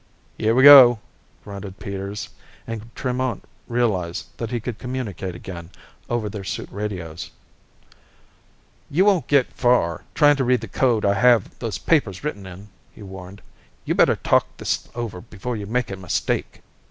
"Here we go!" grunted Peters, and Tremont realized that he could communicate again, over their suit radios. "You won't get far, trying to read the code I have those papers written in," he warned. "You'd better talk this over before you make a mistake."